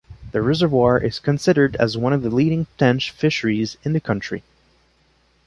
The reservoir is considered as one of the leading tench fisheries in the country.